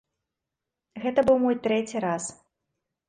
Гэта быў мой трэці раз.